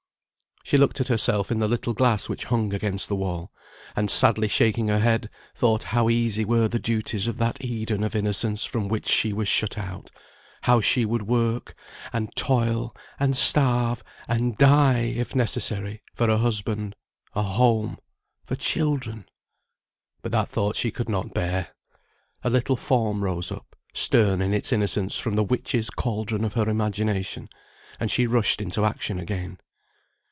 She looked at herself in the little glass which hung against the wall, and sadly shaking her head, thought how easy were the duties of that Eden of innocence from which she was shut out; how she would work, and toil, and starve, and die, if necessary, for a husband, a home, for children, but that thought she could not bear; a little form rose up, stern in its innocence, from the witches' cauldron of her imagination, and she rushed into action again.